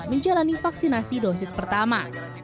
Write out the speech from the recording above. menjalani vaksinasi dosis pertama